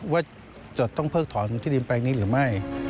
ว่าจะต้องเพิกถอนที่ดินแปลงนี้หรือไม่